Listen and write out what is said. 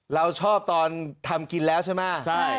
เราชอบตอนทำกินแล้วใช่ไหม